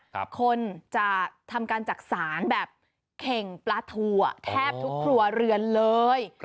คนจะทำการจักษานแบบเข่งปลาทูแทบทุกครัวเรือนเลย